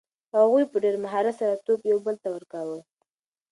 هغوی په ډېر مهارت سره توپ یو بل ته ورکاوه.